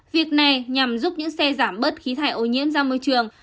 việc này nhằm giúp những xe giảm bớt khí thải ô nhiễm ra môi trường